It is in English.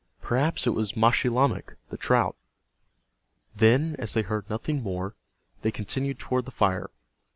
"Perhaps it was Maschilamek, the trout." Then, as they heard nothing more, they continued toward the fire.